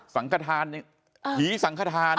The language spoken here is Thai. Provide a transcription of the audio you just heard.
สังขทานผีสังขทาน